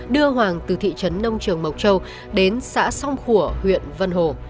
đưa hoàng từ thị trấn nông trường mộc châu đến xã song khủa huyện vân hồ